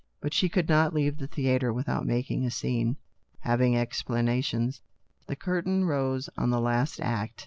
But she could not leave the theatre without making a scene, having explanations. The curtain rose on the last act.